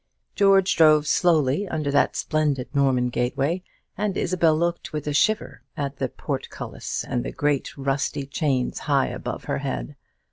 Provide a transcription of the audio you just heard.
George drove slowly under that splendid Norman gateway, and Isabel looked with a shiver at the portcullis and the great rusty chains high above her head.